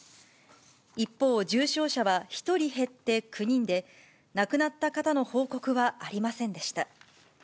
一方、重症者は１人減って９人で、亡くなった方の報告はありませんでした。